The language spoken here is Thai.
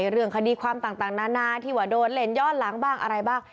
เรื่องคดีความต่างนานาที่ว่าโดนเล่นย้อนหลังบ้างอะไรบ้าง